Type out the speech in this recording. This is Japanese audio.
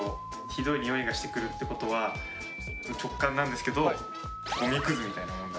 ひどい臭いがしてくるってことは直感なんですけどごみくず。